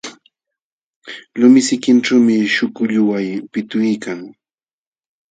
Lumi sinkićhuumi śhukulluway pitwiykan.